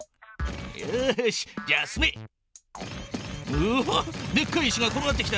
うわでっかい石が転がってきた。